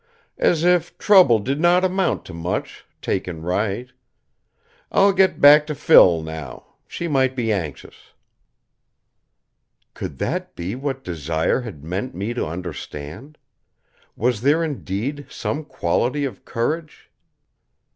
"As if trouble did not amount to much, taken right. I'll get back to Phil, now. She might be anxious." Could that be what Desire had meant me to understand? Was there indeed some quality of courage